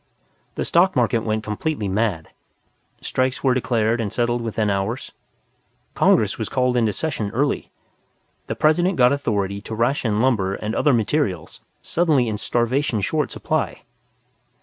The Stock Market went completely mad. Strikes were declared and settled within hours. Congress was called into session early. The President got authority to ration lumber and other materials suddenly in starvation short supply.